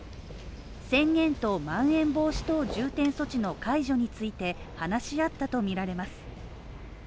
宣言とまん延防止等重点措置の解除について話し合ったとみられます。